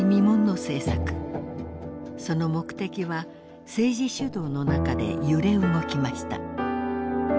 その目的は政治主導の中で揺れ動きました。